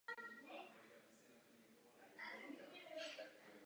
Po tomto zklamání je důležité, abychom znovu převzali iniciativu.